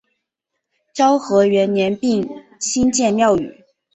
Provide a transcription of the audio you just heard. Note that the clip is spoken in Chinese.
昭和元年并新建庙宇。